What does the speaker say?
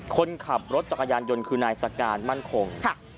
คนขับรถจักรยานยนต์คือนายสการมั่นคง